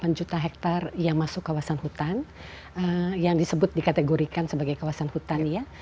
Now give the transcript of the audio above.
sekitar enam puluh delapan juta hektar yang masuk kawasan hutan yang disebut dikategorikan sebagai kawasan hutan ya